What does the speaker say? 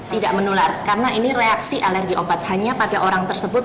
tidak menular karena ini reaksi alergi obat hanya pada orang tersebut